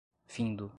Findo